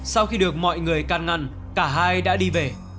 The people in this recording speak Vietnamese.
sau khi được mọi người can ngăn cả hai đã đi về